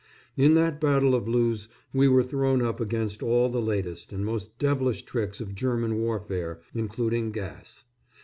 In that battle of Loos we were thrown up against all the latest and most devilish tricks of German warfare, including gas.